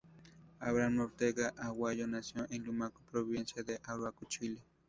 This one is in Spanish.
Abraham Ortega Aguayo nació en Lumaco, Provincia de Arauco, Chile.